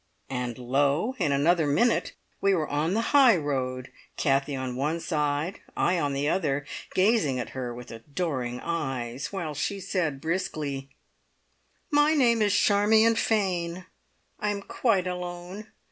And lo! in another minute we were on the high road, Kathie on one side, I on the other, gazing at her with adoring eyes, while she said briskly: "My name is Charmion Fane. I am quite alone.